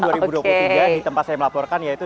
di tempat saya melaporkan yaitu